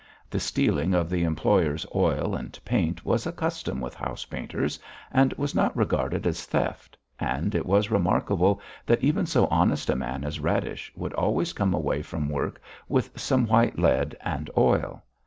The stealing of the employers' oil and paint was a custom with house painters, and was not regarded as theft, and it was remarkable that even so honest a man as Radish would always come away from work with some white lead and oil.